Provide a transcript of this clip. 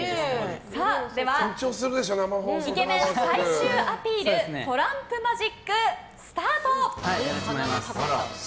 イケメン最終アピールトランプマジック、スタート。